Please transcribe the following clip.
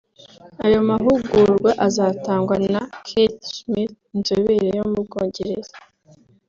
Ayo mahugurwa azatangwa na Keith Smith inzobere yo mu Bwongereza